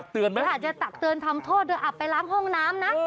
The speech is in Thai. ถ้าจะตัดเตือนทำโทษเดี๋ยวอับไปล้ำห้องน้ำนะ